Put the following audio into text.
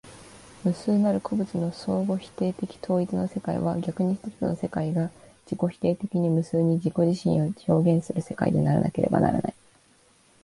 無数なる個物の相互否定的統一の世界は、逆に一つの世界が自己否定的に無数に自己自身を表現する世界でなければならない。